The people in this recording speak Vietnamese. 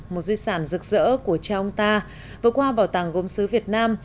một di sản rực rỡ của cha ông ta vừa qua bảo tàng gôm sứ việt nam